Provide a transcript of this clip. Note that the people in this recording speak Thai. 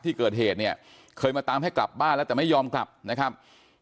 ที่เกิดเหตุเนี่ยเคยมาตามให้กลับบ้านแล้วแต่ไม่ยอมกลับนะครับ